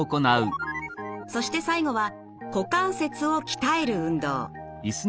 そして最後は股関節を鍛える運動。